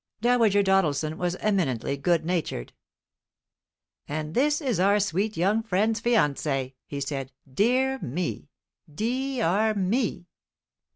Dowager Doddleson was eminently good natured. "And this is our sweet young friend's fiancé," he said; "dear me dee ar me!"